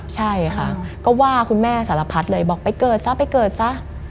ใช่ค่ะก็ว่าคุณแม่สารพัดเลยบอกไปเกิดซะไปเกิดซะ